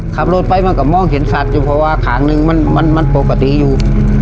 ขับรถไปมันก็มองเห็นสัตว์อยู่เพราะว่าขางนึงมันปกติอยู่